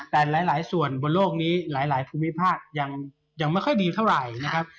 แต่หลายส่วนบนโลกนี้หลายภูมิภาคยังไม่ค่อยดีเท่าไหร่นะครับ